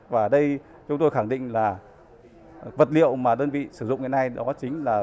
và đây chúng tôi khẳng định là vật liệu mà đơn vị sử dụng hiện nay đó chính là